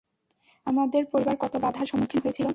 জানিস আমাদের পরিবার কত বাধার সম্মুখীন হয়েছিল?